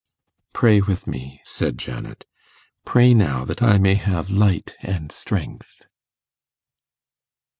'Pray with me,' said Janet 'pray now that I may have light and strength.